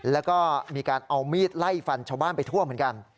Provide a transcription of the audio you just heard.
แล้วก็มีการเอามีดไล่ฟันชาวบ้านไปทั่วเหมือนกัน